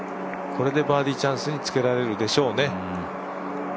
これでバーディーチャンスにつけられるでしょうね。